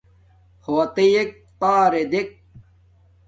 ہݸ اتݵَک تݳرݺ دݵک.